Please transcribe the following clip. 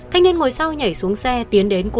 thanh niên ngồi sau nhảy xuống xe tiến đến cùng